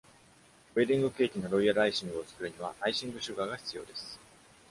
ウエディングケーキのロイヤルアイシングを作るには、アイシングシュガーが必要です